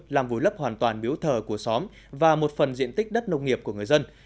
làm vùi lấp hoàn toàn biếu thờ của xóm và một phần diện tích đất nông nghiệp của người dân